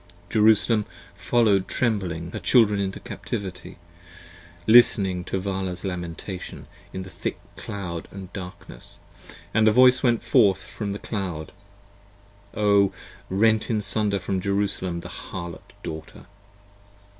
Jerusalem follow'd trembling 10 Her children in captivity, listening to Vala's lamentation In the thick cloud & darkness, & the voice went forth from The cloud. O rent in sunder from Jerusalem the Harlot daughter!